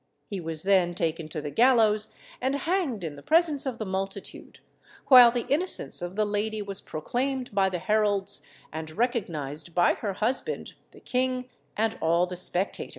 He was then taken to the gallows and hanged in the presence of the multitude; while the innocence of the lady was proclaimed by the heralds, and recognised by her husband, the king, and all the spectators."